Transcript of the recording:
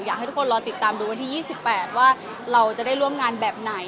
อยากให้ทุกคนรอติดตามดูวันที่๒๘ว่าเราจะได้ร่วมงานแบบไหน